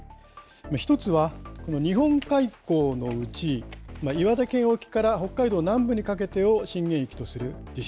１つは、日本海溝のうち、岩手県沖から北海道南部にかけてを震源域とする地震。